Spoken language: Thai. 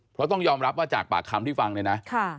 เพราะต้องยอมรับว่าจากปากคำที่ฟังเนี่ยนะ